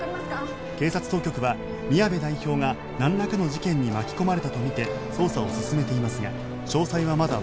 「警察当局は宮部代表がなんらかの事件に巻き込まれたとみて捜査を進めていますが詳細はまだわかっていません」